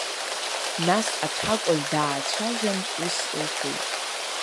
Нас аҭакәажә даацәажәан ус лҳәеит…